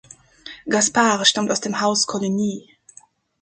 Gaspard stammte aus dem Haus Coligny.